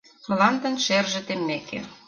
Мландын шерже теммеке